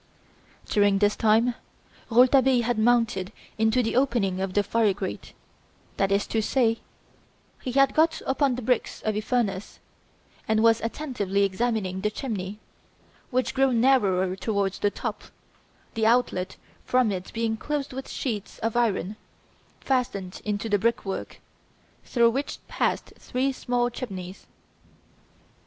During this time, Rouletabille had mounted into the opening of the fire grate that is to say, he had got upon the bricks of a furnace and was attentively examining the chimney, which grew narrower towards the top, the outlet from it being closed with sheets of iron, fastened into the brickwork, through which passed three small chimneys.